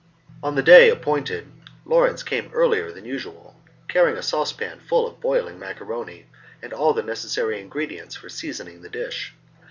On the day appointed Lawrence came earlier than usual, carrying a saucepan full of boiling macaroni, and all the necessary ingredients for seasoning the dish.